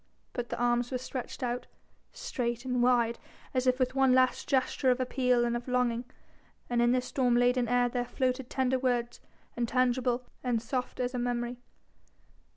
But the arms were stretched out, straight and wide, as if with one last gesture of appeal and of longing, and in this storm laden air there floated tender words, intangible and soft as a memory.